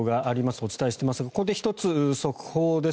お伝えしていますがここで１つ速報です。